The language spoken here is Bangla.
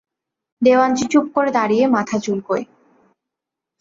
দেওয়ানজি চুপ করে দাঁড়িয়ে মাথা চুলকোয়।